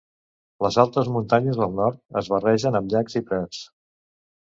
Les altes muntanyes al nord es barregen amb llacs i prats.